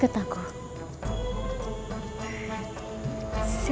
kamu baru kesini